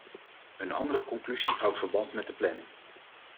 Een andere conclusie houdt verband met de planning.